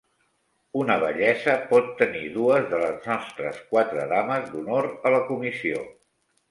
Una Bellesa pot tenir dues de les nostres quatre Dames d'honor a la comissió.